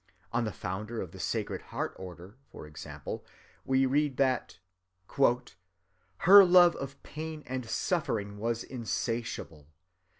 Of the founder of the Sacred Heart order, for example, we read that "Her love of pain and suffering was insatiable....